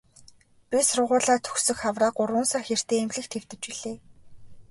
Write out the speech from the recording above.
Би сургууль төгсөх хавраа гурван сар хэртэй эмнэлэгт хэвтэж билээ.